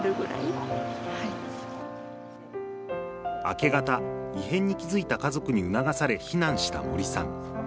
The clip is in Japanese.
明け方異変に気付いた家族に促され避難した森さん